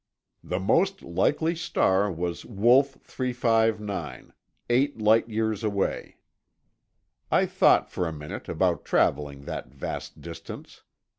The most likely star was Wolf 359—eight light years away. I thought for a minute about traveling that vast distance.